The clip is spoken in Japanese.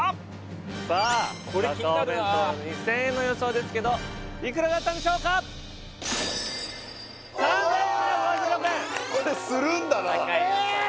さあカカオ弁当２０００円の予想ですけどいくらだったんでしょうかするんだなえっ！